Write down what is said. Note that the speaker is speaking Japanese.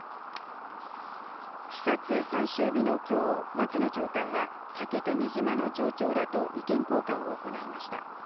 視察最終日のきょう、松野長官は、竹富島の町長らと意見交換を行いました。